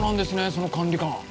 その管理官。